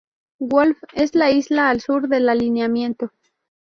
Wolf es la isla al sur del alineamiento.